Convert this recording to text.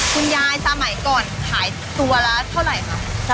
คุณยายสมัยก่อนขายตัวละเท่าไหร่คะ